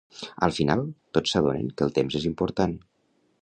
Al final, tots s'adonen que el temps és important.